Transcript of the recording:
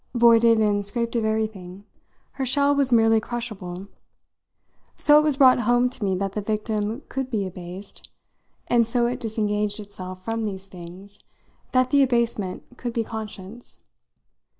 Voided and scraped of everything, her shell was merely crushable. So it was brought home to me that the victim could be abased, and so it disengaged itself from these things that the abasement could be conscious.